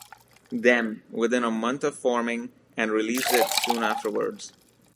Them, within a month of forming and released it soon afterwards.